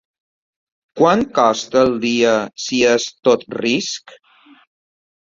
Quant costa al dia si es tot risc?